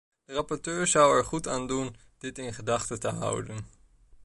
De rapporteur zou er goed aan doen dit in gedachten te houden.